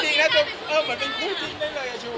จริงนะเออเหมือนเป็นคู่จริงได้เลยอะชุด